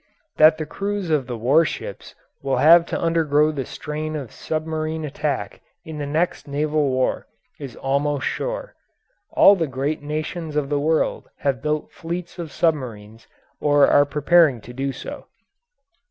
That the crews of the war ships will have to undergo the strain of submarine attack in the next naval war is almost sure. All the great nations of the world have built fleets of submarines or are preparing to do so.